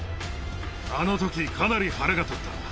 あのとき、かなり腹が立った。